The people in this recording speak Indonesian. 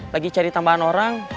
lagi cari tambahan orang